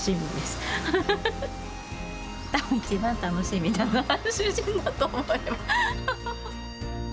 たぶん一番楽しみなのは、主人だと思います。